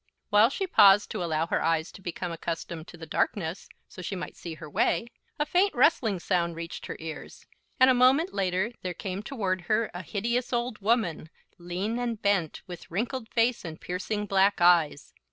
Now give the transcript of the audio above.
While she paused to allow her eyes to become accustomed to the darkness, so she might see her way, a faint rustling sound reached her ears, and a moment later there came toward her a hideous old woman, lean and bent, with wrinkled face and piercing black eyes.